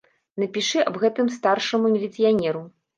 Напішы аб гэтым старшаму міліцыянеру.